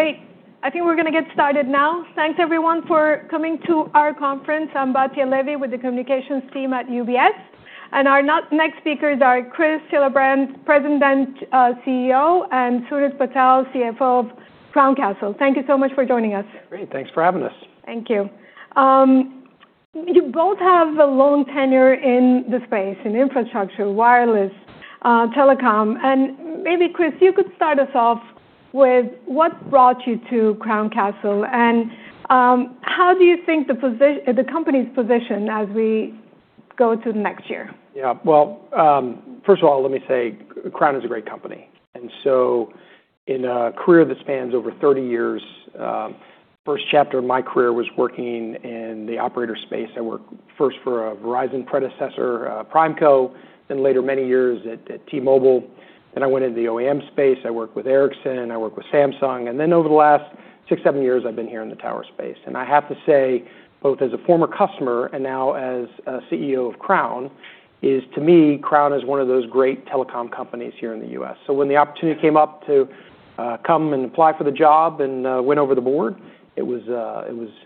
Great. I think we're going to get started now. Thanks, everyone, for coming to our conference. I'm Batya Levi with the communications team at UBS. And our next speakers are Chris Hillabrant, President, CEO, and Sunit Patel, CFO of Crown Castle. Thank you so much for joining us. Great. Thanks for having us. Thank you. You both have a long tenure in the space, in infrastructure, wireless, telecom. And maybe, Chris, you could start us off with what brought you to Crown Castle and how do you think the company's position as we go to the next year? Yeah. Well, first of all, let me say Crown is a great company. And so in a career that spans over 30 years, the first chapter of my career was working in the operator space. I worked first for a Verizon predecessor, PrimeCo, then later many years at T-Mobile. Then I went into the OEM space. I worked with Ericsson. I worked with Samsung. And then over the last six, seven years, I've been here in the tower space. And I have to say, both as a former customer and now as a CEO of Crown, to me, Crown is one of those great telecom companies here in the US. So when the opportunity came up to come and apply for the job and went over the board, it was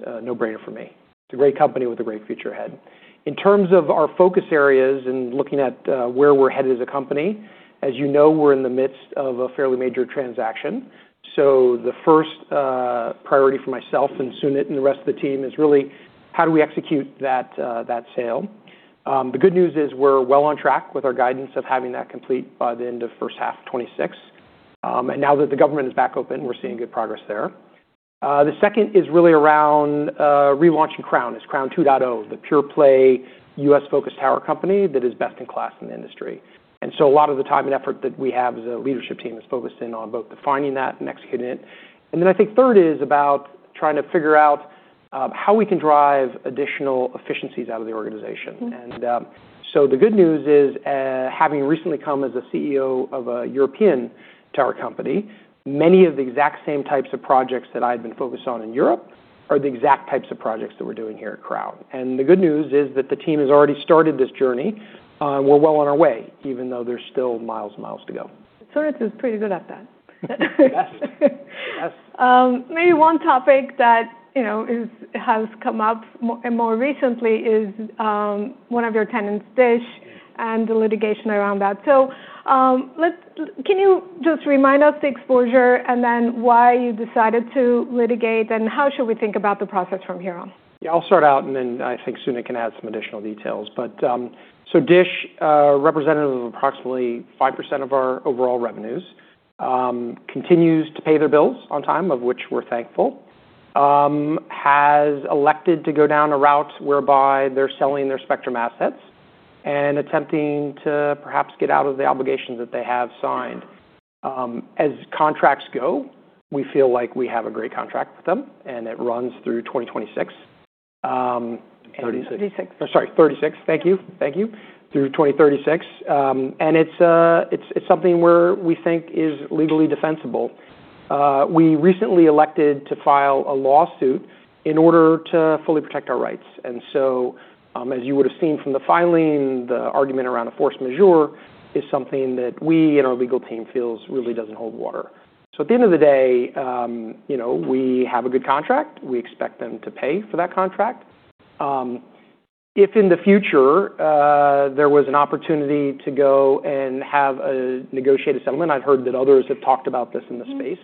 a no-brainer for me. It's a great company with a great future ahead. In terms of our focus areas and looking at where we're headed as a company, as you know, we're in the midst of a fairly major transaction. So the first priority for myself and Sunit and the rest of the team is really how do we execute that sale? The good news is we're well on track with our guidance of having that complete by the end of first half 2026. And now that the government is back open, we're seeing good progress there. The second is really around relaunching Crown, as Crown 2.0, the pure-play U.S.-focused tower company that is best in class in the industry. And so a lot of the time and effort that we have as a leadership team is focused in on both defining that and executing it. And then I think third is about trying to figure out how we can drive additional efficiencies out of the organization. And so the good news is, having recently come as a CEO of a European tower company, many of the exact same types of projects that I had been focused on in Europe are the exact types of projects that we're doing here at Crown. And the good news is that the team has already started this journey. We're well on our way, even though there's still miles and miles to go. Sunit is pretty good at that. Yes. Yes. Maybe one topic that has come up more recently is one of your tenants, Dish, and the litigation around that, so can you just remind us the exposure and then why you decided to litigate and how should we think about the process from here on? Yeah. I'll start out and then I think Sunit can add some additional details. So Dish, representative of approximately 5% of our overall revenues, continues to pay their bills on time, of which we're thankful, has elected to go down a route whereby they're selling their spectrum assets and attempting to perhaps get out of the obligations that they have signed. As contracts go, we feel like we have a great contract with them and it runs through 2026. 36. Sorry, 2036. Thank you. Thank you. Through 2036, it's something where we think is legally defensible. We recently elected to file a lawsuit in order to fully protect our rights. So as you would have seen from the filing, the argument around a force majeure is something that we and our legal team feels really doesn't hold water, so at the end of the day, we have a good contract. We expect them to pay for that contract. If in the future there was an opportunity to go and have a negotiated settlement, I've heard that others have talked about this in the space.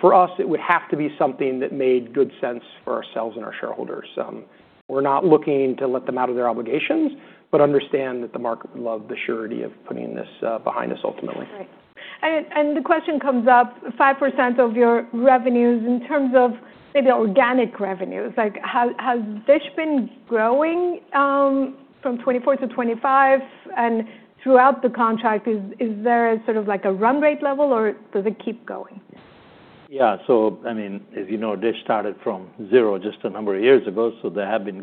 For us, it would have to be something that made good sense for ourselves and our shareholders. We're not looking to let them out of their obligations, but understand that the market would love the surety of putting this behind us ultimately. And the question comes up, 5% of your revenues in terms of maybe organic revenues, has Dish been growing from 2024 to 2025? And throughout the contract, is there sort of a run rate level or does it keep going? Yeah. So I mean, as you know, Dish started from zero just a number of years ago, so they have been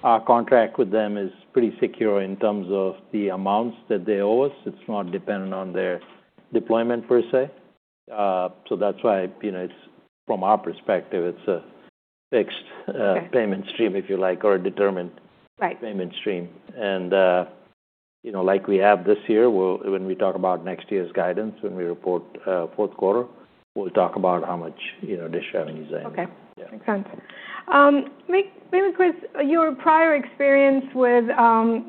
growing. But our contract with them is pretty secure in terms of the amounts that they owe us. It's not dependent on their deployment per se. So that's why from our perspective, it's a fixed payment stream, if you like, or a determined payment stream. And like we have this year, when we talk about next year's guidance, when we report fourth quarter, we'll talk about how much Dish revenues are. Okay. Makes sense. Maybe, Chris, your prior experience with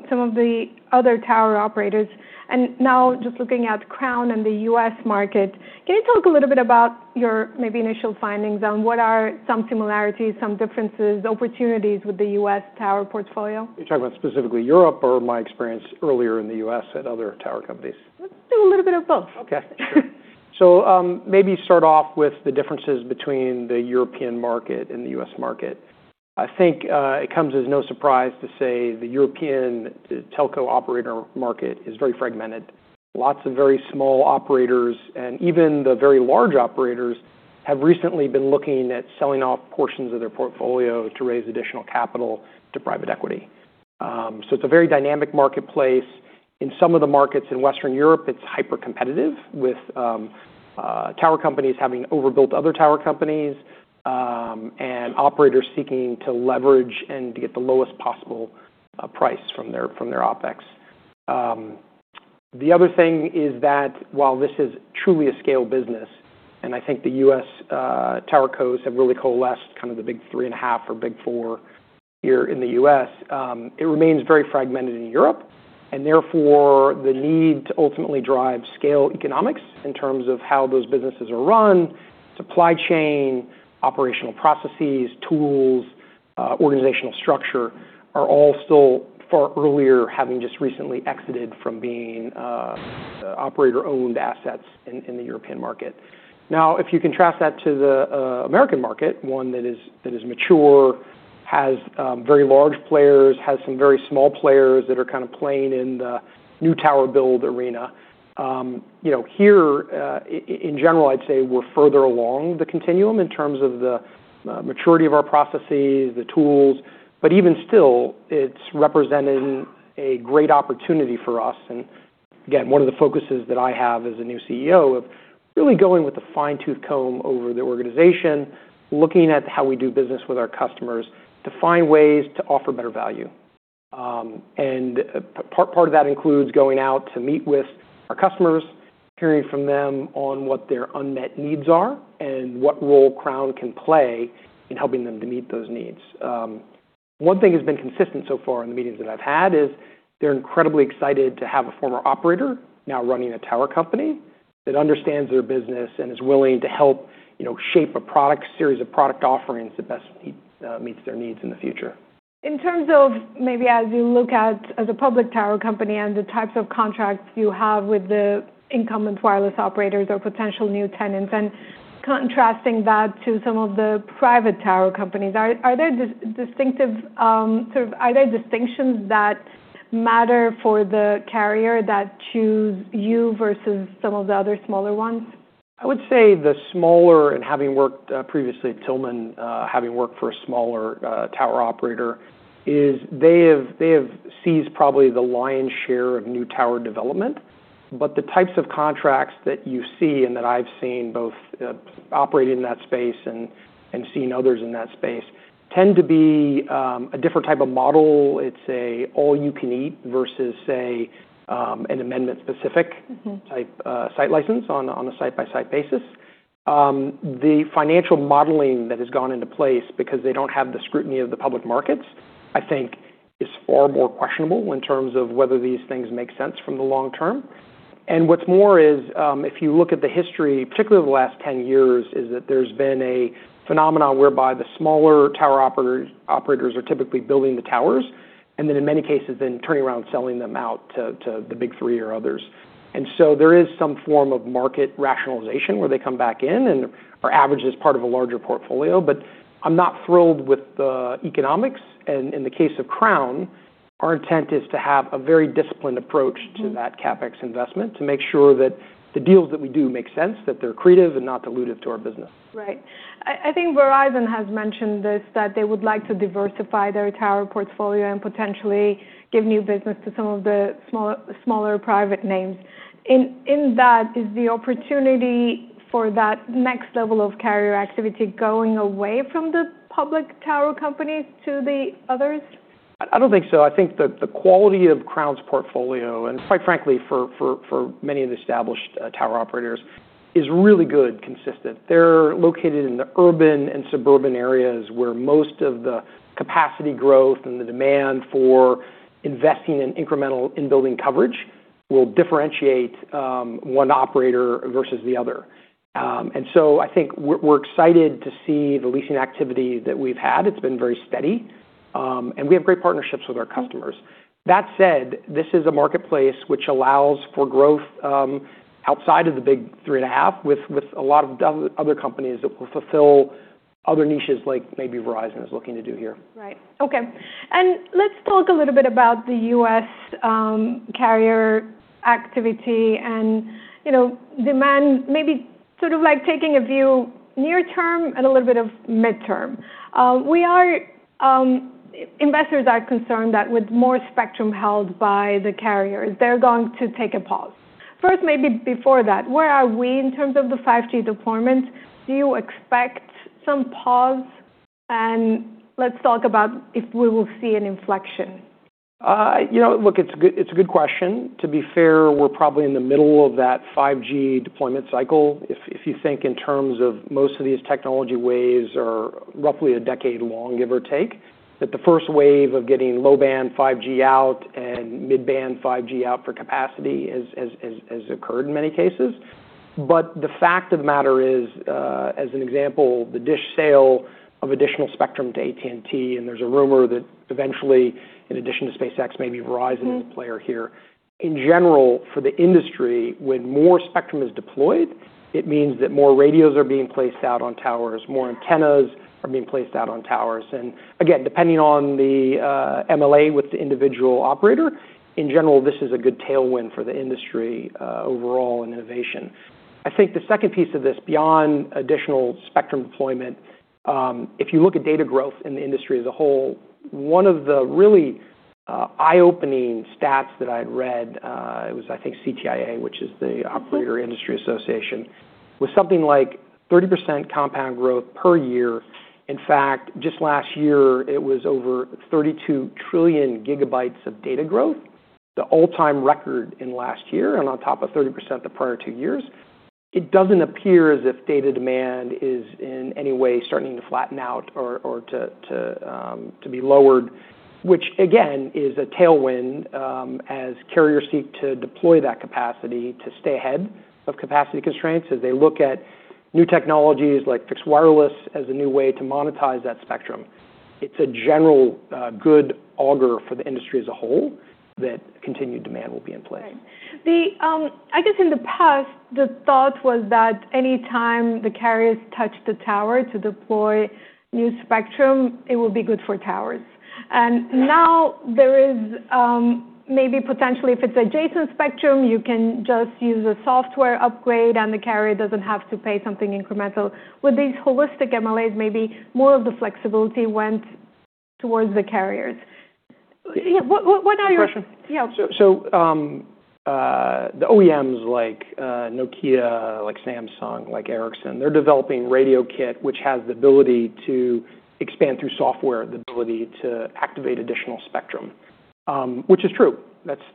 some of the other tower operators, and now just looking at Crown and the US market, can you talk a little bit about your maybe initial findings on what are some similarities, some differences, opportunities with the US tower portfolio? You're talking about specifically Europe or my experience earlier in the U.S. at other tower companies? Let's do a little bit of both. Okay. So maybe start off with the differences between the European market and the US market. I think it comes as no surprise to say the European telco operator market is very fragmented. Lots of very small operators, and even the very large operators, have recently been looking at selling off portions of their portfolio to raise additional capital to private equity. So it's a very dynamic marketplace. In some of the markets in Western Europe, it's hyper-competitive, with tower companies having overbuilt other tower companies and operators seeking to leverage and get the lowest possible price from their OpEx. The other thing is that while this is truly a scale business, and I think the US TowerCos have really coalesced kind of the big three and a half or big four here in the US, it remains very fragmented in Europe. Therefore, the need to ultimately drive scale economics in terms of how those businesses are run, supply chain, operational processes, tools, organizational structure are all still far earlier having just recently exited from being operator-owned assets in the European market. Now, if you contrast that to the American market, one that is mature, has very large players, has some very small players that are kind of playing in the new tower build arena. Here, in general, I'd say we're further along the continuum in terms of the maturity of our processes, the tools. But even still, it's represented a great opportunity for us. And again, one of the focuses that I have as a new CEO of really going with the fine-tooth comb over the organization, looking at how we do business with our customers to find ways to offer better value. Part of that includes going out to meet with our customers, hearing from them on what their unmet needs are and what role Crown can play in helping them to meet those needs. One thing has been consistent so far in the meetings that I've had is they're incredibly excited to have a former operator now running a tower company that understands their business and is willing to help shape a series of product offerings that best meets their needs in the future. In terms of maybe as you look at a public tower company and the types of contracts you have with the incumbent wireless operators or potential new tenants and contrasting that to some of the private tower companies, are there distinctions that matter for the carrier that choose you versus some of the other smaller ones? I would say the smaller and having worked previously, Tillman, having worked for a smaller tower operator, is they have seized probably the lion's share of new tower development. But the types of contracts that you see and that I've seen both operating in that space and seeing others in that space tend to be a different type of model. It's an all-you-can-eat versus, say, an amendment-specific type site license on a site-by-site basis. The financial modeling that has gone into place because they don't have the scrutiny of the public markets, I think, is far more questionable in terms of whether these things make sense from the long term. What's more is if you look at the history, particularly the last 10 years, is that there's been a phenomenon whereby the smaller tower operators are typically building the towers and then in many cases then turning around selling them out to the big three or others. So there is some form of market rationalization where they come back in and are averaged as part of a larger portfolio. I'm not thrilled with the economics. In the case of Crown, our intent is to have a very disciplined approach to that CapEx investment to make sure that the deals that we do make sense, that they're accretive and not dilutive to our business. Right. I think Verizon has mentioned this, that they would like to diversify their tower portfolio and potentially give new business to some of the smaller private names. In that, is the opportunity for that next level of carrier activity going away from the public tower companies to the others? I don't think so. I think the quality of Crown's portfolio, and quite frankly, for many of the established tower operators, is really good, consistent. They're located in the urban and suburban areas where most of the capacity growth and the demand for investing in incremental in-building coverage will differentiate one operator versus the other. And so I think we're excited to see the leasing activity that we've had. It's been very steady. And we have great partnerships with our customers. That said, this is a marketplace which allows for growth outside of the big three and a half with a lot of other companies that will fulfill other niches like maybe Verizon is looking to do here. Right. Okay. And let's talk a little bit about the U.S. carrier activity and demand, maybe sort of like taking a view near term and a little bit of midterm. Investors are concerned that with more spectrum held by the carriers, they're going to take a pause. First, maybe before that, where are we in terms of the 5G deployment? Do you expect some pause? And let's talk about if we will see an inflection. Look, it's a good question. To be fair, we're probably in the middle of that 5G deployment cycle. If you think in terms of most of these technology waves are roughly a decade long, give or take, that the first wave of getting low-band 5G out and mid-band 5G out for capacity has occurred in many cases. But the fact of the matter is, as an example, the Dish sale of additional spectrum to AT&T, and there's a rumor that eventually, in addition to SpaceX, maybe Verizon is a player here. In general, for the industry, when more spectrum is deployed, it means that more radios are being placed out on towers, more antennas are being placed out on towers. And again, depending on the MLA with the individual operator, in general, this is a good tailwind for the industry overall in innovation. I think the second piece of this, beyond additional spectrum deployment, if you look at data growth in the industry as a whole, one of the really eye-opening stats that I had read, it was, I think, CTIA, which is the Operator Industry Association, was something like 30% compound growth per year. In fact, just last year, it was over 32 trillion GB of data growth, the all-time record in last year, and on top of 30% the prior two years. It doesn't appear as if data demand is in any way starting to flatten out or to be lowered, which again is a tailwind as carriers seek to deploy that capacity to stay ahead of capacity constraints as they look at new technologies like fixed wireless as a new way to monetize that spectrum. It's a general good augur for the industry as a whole that continued demand will be in place. I guess in the past, the thought was that anytime the carriers touch the tower to deploy new spectrum, it will be good for towers. And now there is maybe potentially, if it's adjacent spectrum, you can just use a software upgrade and the carrier doesn't have to pay something incremental. With these holistic MLAs, maybe more of the flexibility went towards the carriers. What are your. Good question. So the OEMs like Nokia, like Samsung, like Ericsson, they're developing radio kit, which has the ability to expand through software, the ability to activate additional spectrum, which is true.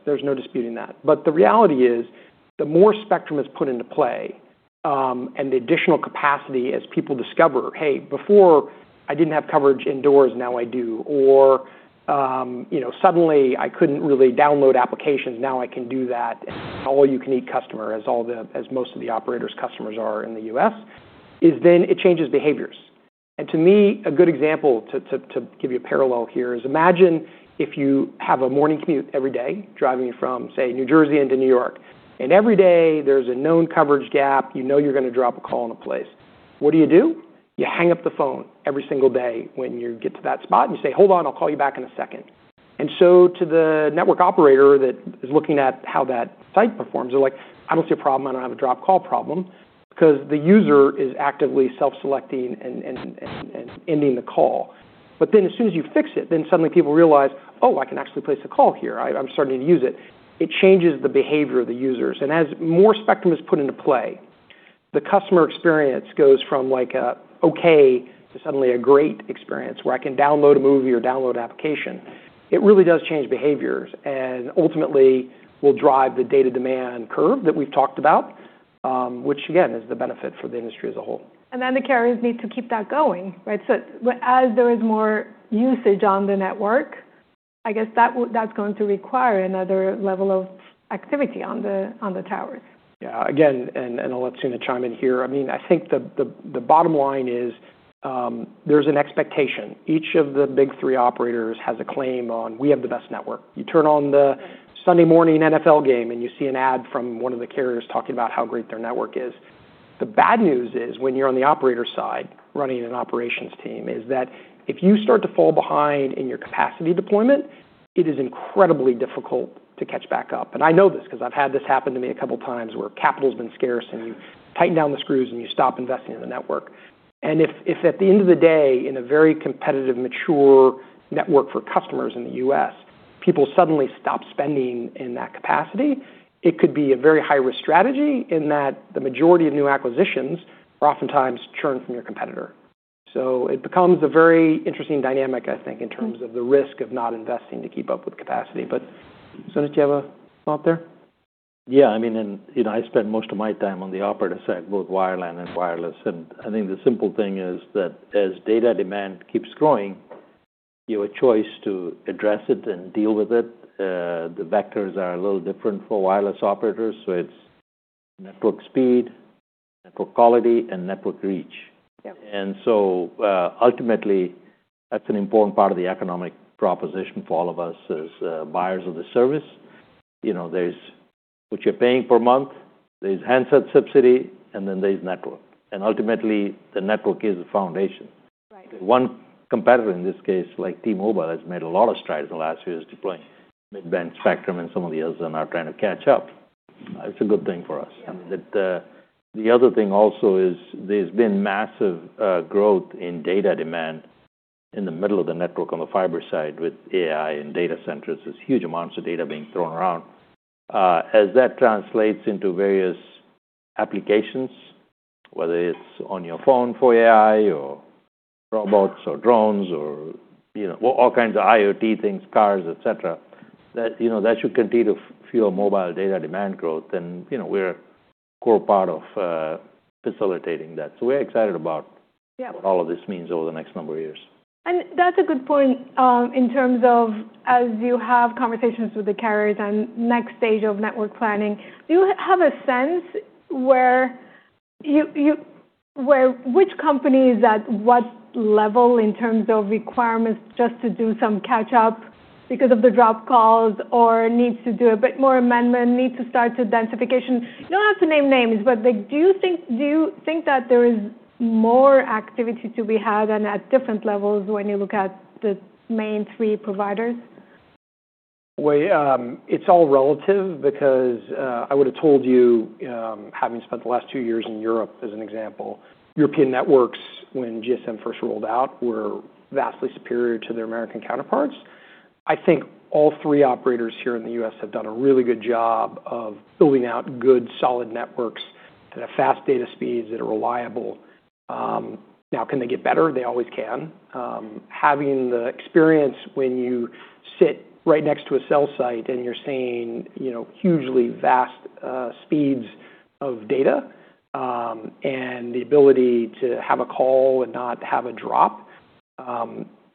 There's no disputing that. But the reality is the more spectrum is put into play and the additional capacity as people discover, "Hey, before I didn't have coverage indoors, now I do," or suddenly I couldn't really download applications, now I can do that. All-you-can-eat customer, as most of the operators' customers are in the U.S., is then it changes behaviors, and to me, a good example to give you a parallel here is imagine if you have a morning commute every day driving from, say, New Jersey into New York. Every day there's a known coverage gap. You know you're going to drop a call in a place. What do you do? You hang up the phone every single day when you get to that spot and you say, "Hold on, I'll call you back in a second." And so to the network operator that is looking at how that site performs, they're like, "I don't see a problem. I don't have a dropped call problem because the user is actively self-selecting and ending the call." But then as soon as you fix it, then suddenly people realize, "Oh, I can actually place a call here. I'm starting to use it." It changes the behavior of the users. And as more spectrum is put into play, the customer experience goes from like an okay to suddenly a great experience where I can download a movie or download an application. It really does change behaviors and ultimately will drive the data demand curve that we've talked about, which again is the benefit for the industry as a whole. And then the carriers need to keep that going, right? So as there is more usage on the network, I guess that's going to require another level of activity on the towers. Yeah. Again, and I'll let Sunit chime in here. I mean, I think the bottom line is there's an expectation. Each of the big three operators has a claim on, "We have the best network." You turn on the Sunday morning NFL game and you see an ad from one of the carriers talking about how great their network is. The bad news is when you're on the operator side running an operations team is that if you start to fall behind in your capacity deployment, it is incredibly difficult to catch back up. And I know this because I've had this happen to me a couple of times where capital has been scarce and you tighten down the screws and you stop investing in the network. And if at the end of the day, in a very competitive, mature network for customers in the US, people suddenly stop spending in that capacity, it could be a very high-risk strategy in that the majority of new acquisitions are oftentimes churned from your competitor. So it becomes a very interesting dynamic, I think, in terms of the risk of not investing to keep up with capacity. But Sunit, do you have a thought there? Yeah. I mean, I spend most of my time on the operator side, both wireless and wireline. I think the simple thing is that as data demand keeps growing, you have a choice to address it and deal with it. The vectors are a little different for wireless operators. It's network speed, network quality, and network reach. Ultimately, that's an important part of the economic proposition for all of us as buyers of the service. What you're paying per month, there's handset subsidy, and then there's network. Ultimately, the network is the foundation. One competitor in this case, like T-Mobile, has made a lot of strides in the last few years deploying mid-band spectrum, and some of the others are now trying to catch up. It's a good thing for us. The other thing also is there's been massive growth in data demand in the middle of the network on the fiber side with AI and data centers. There's huge amounts of data being thrown around. As that translates into various applications, whether it's on your phone for AI or robots or drones or all kinds of IoT things, cars, etc., that should continue to fuel mobile data demand growth, and we're a core part of facilitating that, so we're excited about what all of this means over the next number of years. That's a good point in terms of as you have conversations with the carriers and next stage of network planning. Do you have a sense where which companies at what level in terms of requirements just to do some catch-up because of the drop calls or needs to do a bit more amendment, need to start to densification? You don't have to name names, but do you think that there is more activity to be had than at different levels when you look at the main three providers? It's all relative because I would have told you, having spent the last two years in Europe as an example, European networks when GSM first rolled out were vastly superior to their American counterparts. I think all three operators here in the U.S. have done a really good job of building out good solid networks that have fast data speeds that are reliable. Now, can they get better? They always can. Having the experience when you sit right next to a cell site and you're seeing hugely vast speeds of data and the ability to have a call and not have a drop,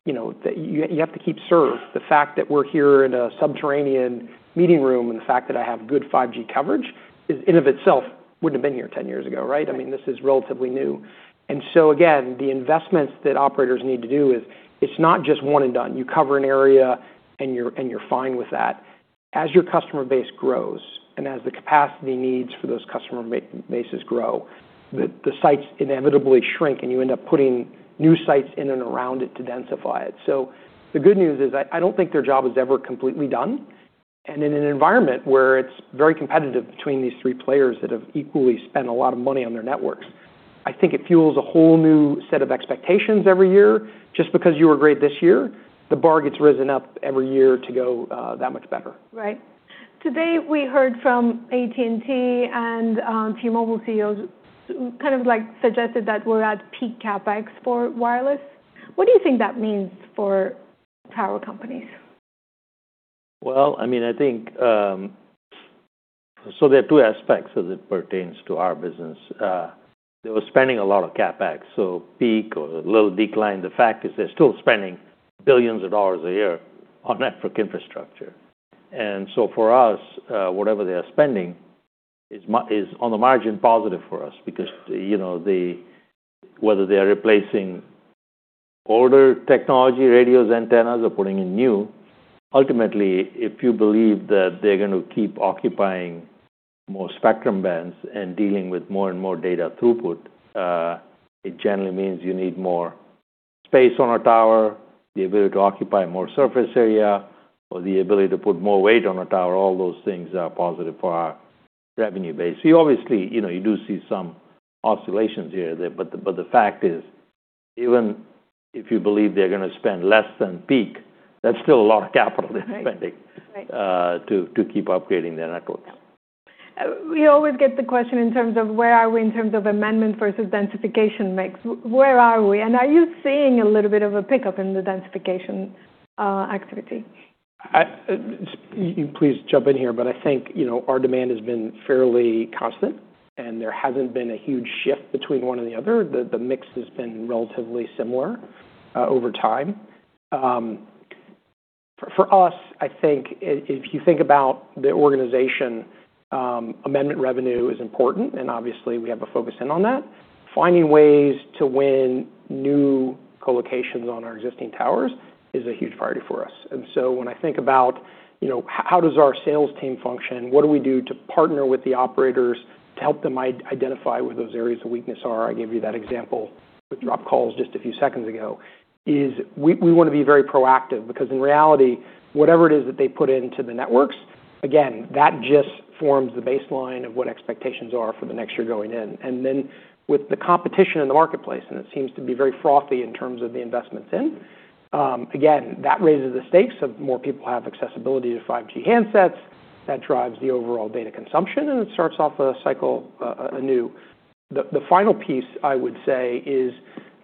you have to keep serving. The fact that we're here in a subterranean meeting room and the fact that I have good 5G coverage is, in and of itself, wouldn't have been here 10 years ago, right? I mean, this is relatively new. And so again, the investments that operators need to do is it's not just one and done. You cover an area and you're fine with that. As your customer base grows and as the capacity needs for those customer bases grow, the sites inevitably shrink and you end up putting new sites in and around it to densify it. So the good news is I don't think their job is ever completely done. And in an environment where it's very competitive between these three players that have equally spent a lot of money on their networks, I think it fuels a whole new set of expectations every year. Just because you were great this year, the bar gets risen up every year to go that much better. Right. Today we heard from AT&T and a few mobile CEOs kind of suggested that we're at peak CapEx for wireless. What do you think that means for power companies? I mean, I think so there are two aspects as it pertains to our business. They were spending a lot of CapEx. Peak or a little decline, the fact is they're still spending billions of dollars a year on network infrastructure. For us, whatever they are spending is on the margin positive for us because whether they are replacing older technology, radios, antennas, or putting in new, ultimately, if you believe that they're going to keep occupying more spectrum bands and dealing with more and more data throughput, it generally means you need more space on a tower, the ability to occupy more surface area, or the ability to put more weight on a tower. All those things are positive for our revenue base. Obviously, you do see some oscillations here, but the fact is even if you believe they're going to spend less than peak, that's still a lot of capital they're spending to keep upgrading their networks. We always get the question in terms of where are we in terms of amendment versus densification mix. Where are we? And are you seeing a little bit of a pickup in the densification activity? Please jump in here, but I think our demand has been fairly constant and there hasn't been a huge shift between one and the other. The mix has been relatively similar over time. For us, I think if you think about the organization, amendment revenue is important, and obviously we have a focus in on that. Finding ways to win new colocations on our existing towers is a huge priority for us. And so when I think about how does our sales team function, what do we do to partner with the operators to help them identify where those areas of weakness are? I gave you that example with drop calls just a few seconds ago. We want to be very proactive because in reality, whatever it is that they put into the networks, again, that just forms the baseline of what expectations are for the next year going in. And then, with the competition in the marketplace, it seems to be very frothy in terms of the investments. In again, that raises the stakes of more people have accessibility to 5G handsets. That drives the overall data consumption, and it starts off a cycle anew. The final piece I would say is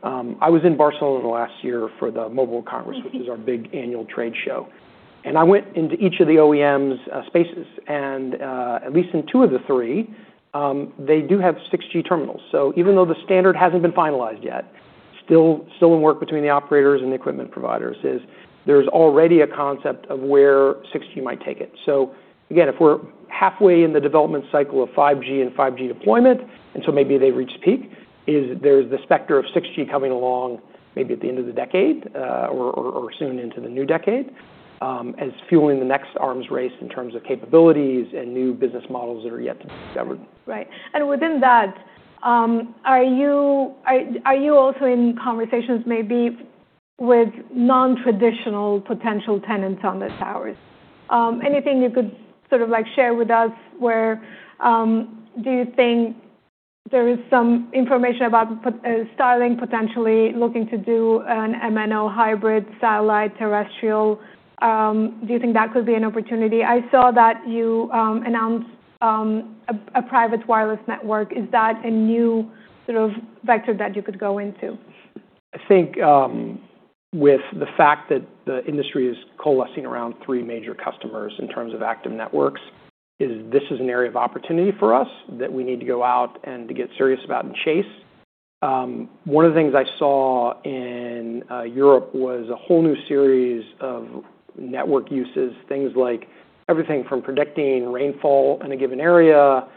I was in Barcelona last year for the Mobile Congress, which is our big annual trade show. And I went into each of the OEM's spaces, and at least in two of the three, they do have 6G terminals. So even though the standard hasn't been finalized yet, still in work between the operators and the equipment providers is there's already a concept of where 6G might take it. So, again, if we're halfway in the development cycle of 5G and 5G deployment, and so maybe they've reached peak. There's the specter of 6G coming along, maybe at the end of the decade or soon into the new decade, as fueling the next arms race in terms of capabilities and new business models that are yet to be discovered. Right. And within that, are you also in conversations maybe with non-traditional potential tenants on the towers? Anything you could sort of share with us? Where do you think there is some information about Starlink potentially looking to do an MNO hybrid satellite terrestrial? Do you think that could be an opportunity? I saw that you announced a private wireless network. Is that a new sort of vector that you could go into? I think with the fact that the industry is coalescing around three major customers in terms of active networks, this is an area of opportunity for us that we need to go out and to get serious about and chase. One of the things I saw in Europe was a whole new series of network uses, things like everything from predicting rainfall in a given area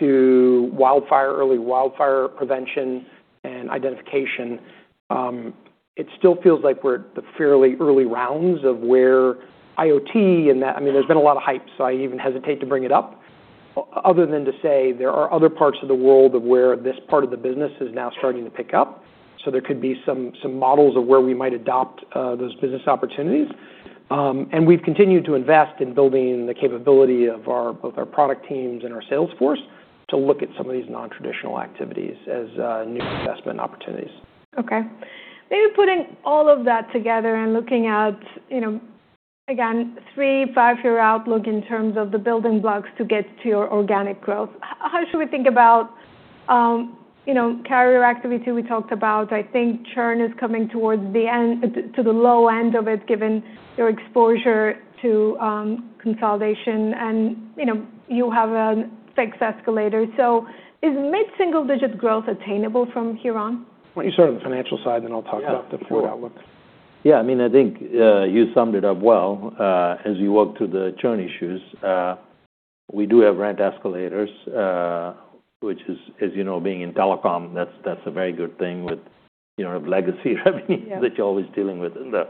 to wildfire, early wildfire prevention and identification. It still feels like we're at the fairly early rounds of where IoT and that, I mean, there's been a lot of hype, so I even hesitate to bring it up other than to say there are other parts of the world of where this part of the business is now starting to pick up. So there could be some models of where we might adopt those business opportunities. We've continued to invest in building the capability of both our product teams and our sales force to look at some of these non-traditional activities as new investment opportunities. Okay. Maybe putting all of that together and looking at, again, three, five-year outlook in terms of the building blocks to get to your organic growth. How should we think about carrier activity we talked about? I think churn is coming towards the end, to the low end of it, given your exposure to consolidation, and you have a fixed escalator. So is mid-single-digit growth attainable from here on? Why don't you start on the financial side, and then I'll talk about the forward outlook. Yeah. I mean, I think you summed it up well as you walked through the churn issues. We do have rent escalators, which is, as you know, being in telecom, that's a very good thing with legacy revenue that you're always dealing with in the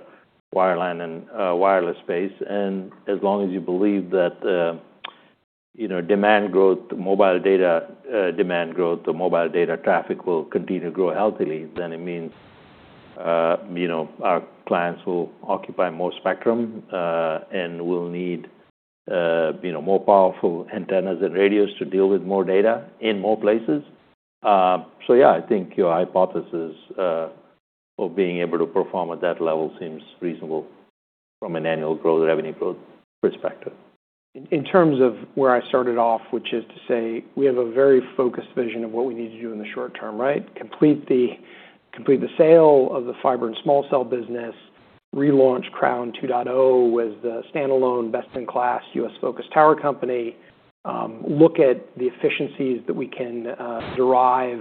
wireless space. And as long as you believe that demand growth, mobile data demand growth, the mobile data traffic will continue to grow healthily, then it means our clients will occupy more spectrum and will need more powerful antennas and radios to deal with more data in more places. So yeah, I think your hypothesis of being able to perform at that level seems reasonable from an annual growth revenue growth perspective. In terms of where I started off, which is to say we have a very focused vision of what we need to do in the short term, right? Complete the sale of the fiber and small cell business, relaunch Crown 2.0 with the standalone best-in-class U.S.-focused tower company, look at the efficiencies that we can derive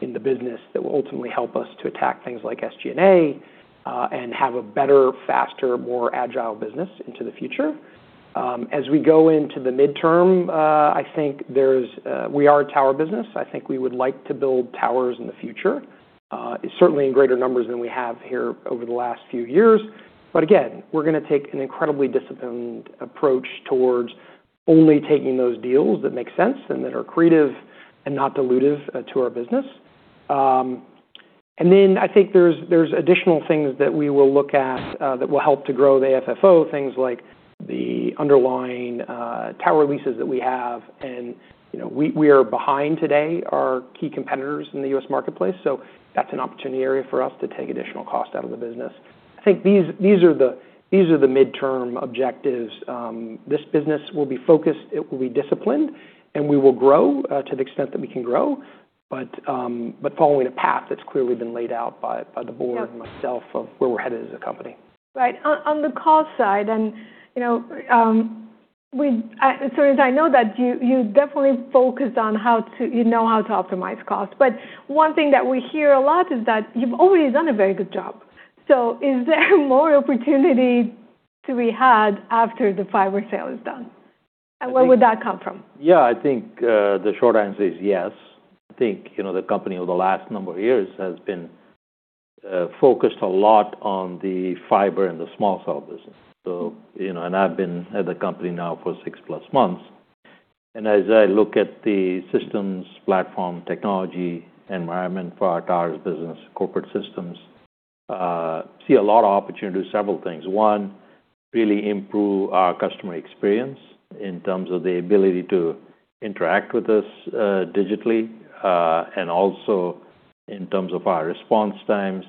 in the business that will ultimately help us to attack things like SG&A and have a better, faster, more agile business into the future. As we go into the midterm, I think we are a tower business. I think we would like to build towers in the future, certainly in greater numbers than we have here over the last few years, but again, we're going to take an incredibly disciplined approach towards only taking those deals that make sense and that are creative and not dilutive to our business. And then I think there's additional things that we will look at that will help to grow the AFFO, things like the underlying tower leases that we have. And we are behind today our key competitors in the US marketplace. So that's an opportunity area for us to take additional cost out of the business. I think these are the midterm objectives. This business will be focused, it will be disciplined, and we will grow to the extent that we can grow, but following a path that's clearly been laid out by the board and myself of where we're headed as a company. Right. On the cost side, and so as I know that you definitely focus on how to optimize cost, but one thing that we hear a lot is that you've already done a very good job. So is there more opportunity to be had after the fiber sale is done? And where would that come from? Yeah. I think the short answer is yes. I think the company over the last number of years has been focused a lot on the fiber and the small cell business. And I've been at the company now for 6+ months. And as I look at the systems, platform, technology environment for our towers business, corporate systems, I see a lot of opportunity to do several things. One, really improve our customer experience in terms of the ability to interact with us digitally, and also in terms of our response times,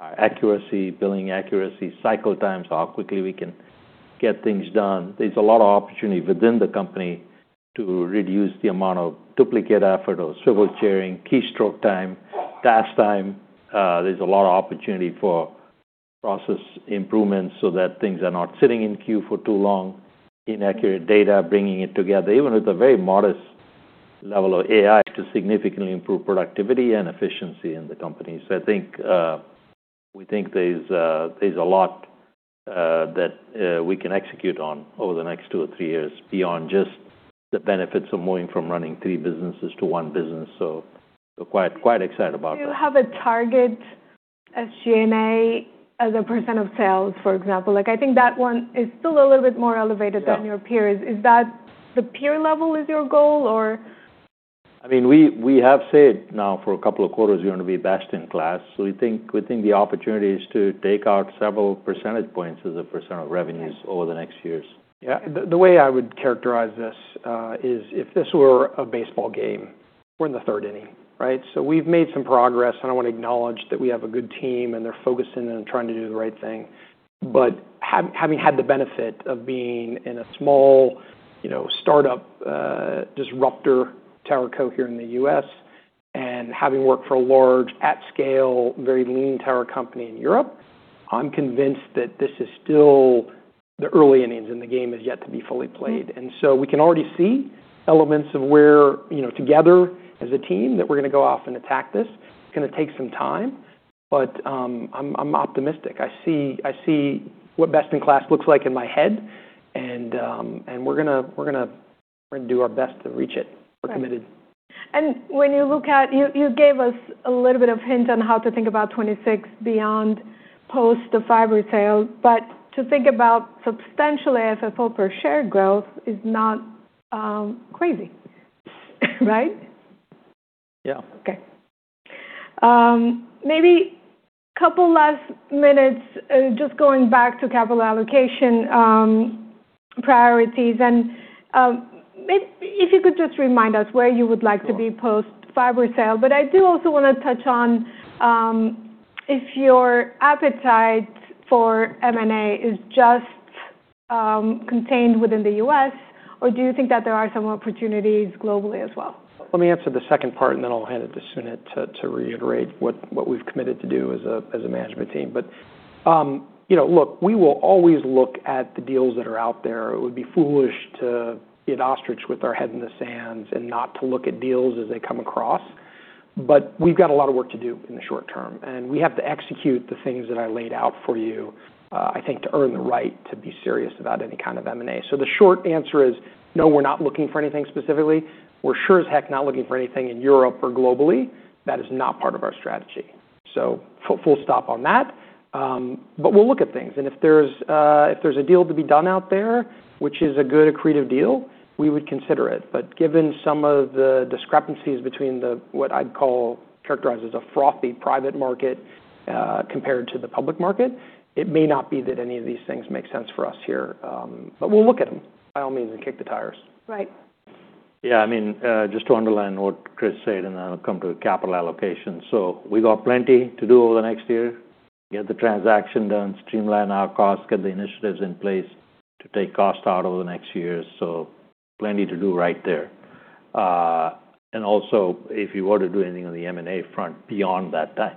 our accuracy, billing accuracy, cycle times, how quickly we can get things done. There's a lot of opportunity within the company to reduce the amount of duplicate effort or swivel chairing, keystroke time, task time. There's a lot of opportunity for process improvements so that things are not sitting in queue for too long, inaccurate data, bringing it together, even with a very modest level of AI to significantly improve productivity and efficiency in the company. So I think we think there's a lot that we can execute on over the next two or three years beyond just the benefits of moving from running three businesses to one business. So we're quite excited about that. Do you have a target SG&A as a % of sales, for example? I think that one is still a little bit more elevated than your peers. Is that the peer level is your goal or? I mean, we have said now for a couple of quarters we're going to be best in class. So we think the opportunity is to take out several percentage points as a % of revenues over the next years. Yeah. The way I would characterize this is if this were a baseball game, we're in the third inning, right? So we've made some progress, and I want to acknowledge that we have a good team and they're focusing on trying to do the right thing. But having had the benefit of being in a small startup disruptor tower cohort here in the U.S. and having worked for a large at-scale, very lean tower company in Europe, I'm convinced that this is still the early innings and the game is yet to be fully played. And so we can already see elements of where together as a team that we're going to go off and attack this. It's going to take some time, but I'm optimistic. I see what best in class looks like in my head, and we're going to do our best to reach it. We're committed. When you look at it, you gave us a little bit of a hint on how to think about 2026 and beyond post the fiber sale, but to think about substantial AFFO per share growth is not crazy, right? Yeah. Okay. Maybe a couple last minutes just going back to capital allocation priorities. And if you could just remind us where you would like to be post fiber sale. But I do also want to touch on if your appetite for M&A is just contained within the U.S., or do you think that there are some opportunities globally as well? Let me answer the second part, and then I'll hand it to Sunit to reiterate what we've committed to do as a management team. But look, we will always look at the deals that are out there. It would be foolish to be an ostrich with our head in the sands and not to look at deals as they come across. But we've got a lot of work to do in the short term, and we have to execute the things that I laid out for you, I think, to earn the right to be serious about any kind of M&A. So the short answer is no, we're not looking for anything specifically. We're sure as heck not looking for anything in Europe or globally. That is not part of our strategy. So full stop on that. But we'll look at things. and if there's a deal to be done out there, which is a good, creative deal, we would consider it. But given some of the discrepancies between what I'd call, characterized as a frothy private market compared to the public market, it may not be that any of these things make sense for us here. But we'll look at them by all means and kick the tires. Right. Yeah. I mean, just to underline what Chris said, and then I'll come to capital allocation. So we got plenty to do over the next year. Get the transaction done, streamline our costs, get the initiatives in place to take cost out over the next year. So plenty to do right there. And also, if you were to do anything on the M&A front beyond that time,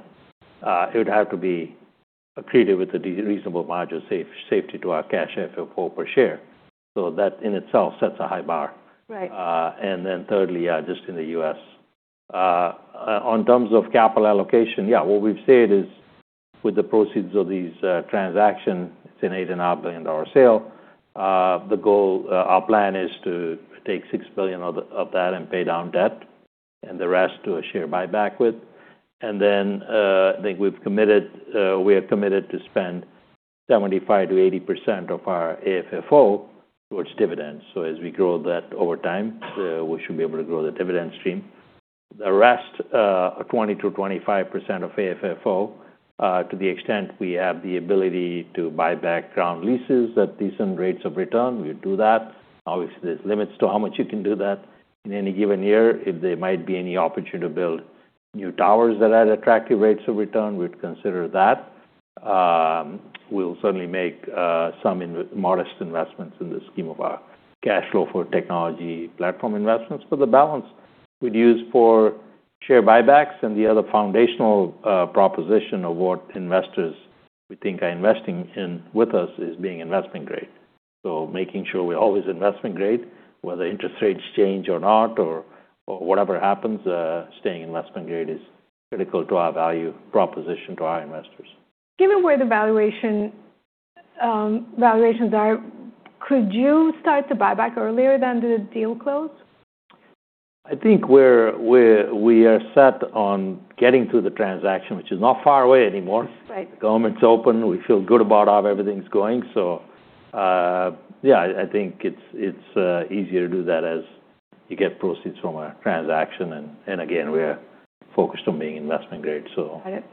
it would have to be accretive with a reasonable margin of safety to our cash AFFO per share. So that in itself sets a high bar. And then thirdly, yeah, just in the U.S. In terms of capital allocation, yeah, what we've said is with the proceeds of these transactions, it's an $8.5 billion sale. The goal, our plan is to take $6 billion of that and pay down debt and the rest to a share buyback with. I think we are committed to spend 75%-80% of our AFFO towards dividends, so as we grow that over time, we should be able to grow the dividend stream. The rest, 20%-25% of AFFO to the extent we have the ability to buy back ground leases at decent rates of return, we would do that. Obviously, there's limits to how much you can do that in any given year. If there might be any opportunity to build new towers that are at attractive rates of return, we'd consider that. We'll certainly make some modest investments in the scheme of our cash flow for technology platform investments. For the balance we'd use for share buybacks, and the other foundational proposition of what investors we think are investing in with us is being investment grade. Making sure we're always investment grade, whether interest rates change or not or whatever happens, staying investment grade is critical to our value proposition to our investors. Given where the valuations are, could you start to buy back earlier than the deal close? I think we are set on getting through the transaction, which is not far away anymore. The government's open. We feel good about how everything's going. So yeah, I think it's easier to do that as you get proceeds from our transaction. And again, we're focused on being investment grade, so. Got it.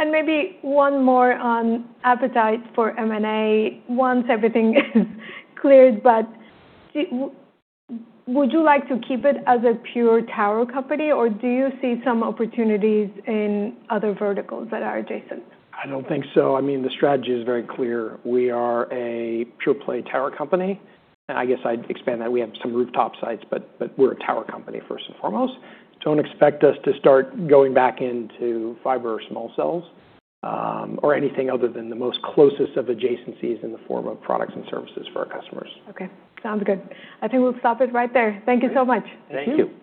And maybe one more on appetite for M&A once everything is cleared. But would you like to keep it as a pure tower company, or do you see some opportunities in other verticals that are adjacent? I don't think so. I mean, the strategy is very clear. We are a pure play tower company. And I guess I'd expand that. We have some rooftop sites, but we're a tower company first and foremost. Don't expect us to start going back into fiber or small cells or anything other than the most closest of adjacencies in the form of products and services for our customers. Okay. Sounds good. I think we'll stop it right there. Thank you so much. Thank you.